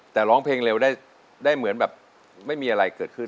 แต่ร้องเพลงเร็วได้เหมือนแบบไม่มีอะไรเกิดขึ้น